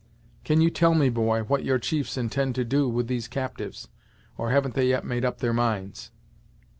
"Can you tell me, boy, what your chiefs intend to do with these captyves, or haven't they yet made up their minds?"